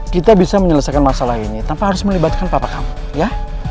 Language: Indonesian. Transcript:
kita bisa menyelesaikan masalah ini tanpa harus melibatkan papa kamu ya